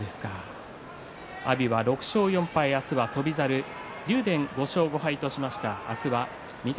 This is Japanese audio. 阿炎は６勝４敗明日は翔猿竜電５勝５敗としました。